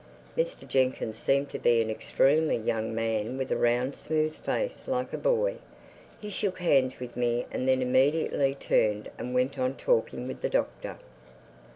Mr. Jenkyns seemed to be an extremely young man with a round smooth face like a boy. He shook hands with me and then immediately turned and went on talking with the Doctor.